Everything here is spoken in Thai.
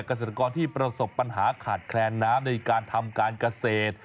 เกษตรกรที่ประสบปัญหาขาดแคลนน้ำในการทำการเกษตร